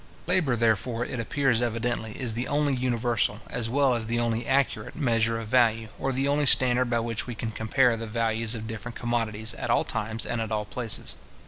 Labour, therefore, it appears evidently, is the only universal, as well as the only accurate, measure of value, or the only standard by which we can compare the values of different commodities, at all times, and at all places.